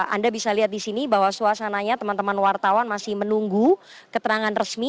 anda bisa lihat di sini bahwa suasananya teman teman wartawan masih menunggu keterangan resmi